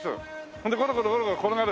ほんでゴロゴロゴロゴロ転がる。